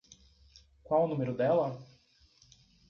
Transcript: Qual o número dela?